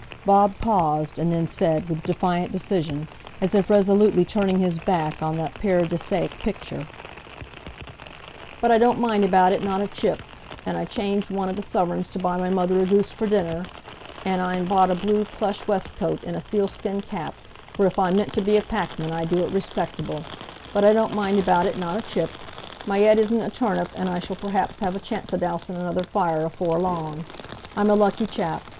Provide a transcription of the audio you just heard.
Bob paused, and then said, with defiant decision, as if resolutely turning his back on that paradisaic picture: "But I don't mind about it, not a chip! An' I'n changed one o' the suvreigns to buy my mother a goose for dinner, an' I'n bought a blue plush wescoat, an' a sealskin cap,—for if I meant to be a packman, I'd do it respectable. But I don't mind about it, not a chip! My yead isn't a turnip, an' I shall p'r'aps have a chance o' dousing another fire afore long. I'm a lucky chap.